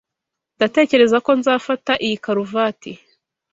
Ndatekereza ko nzafata iyi karuvati.